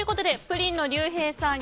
プリンの竜平さん